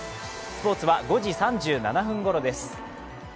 スポーツは５時３７分ごろです。